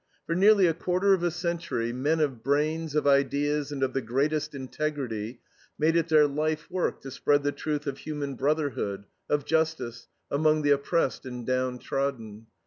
For nearly a quarter of a century men of brains, of ideas, and of the greatest integrity, made it their life work to spread the truth of human brotherhood, of justice, among the oppressed and downtrodden.